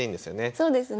そうですね。